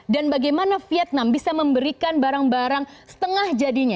dan bagaimana vietnam bisa memberikan barang barang setengah jadinya